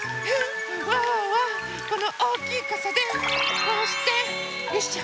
ワンワンはこのおおきいかさでこうしてよいしょ。